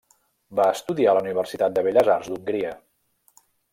Va estudiar a la Universitat de Belles Arts d'Hongria.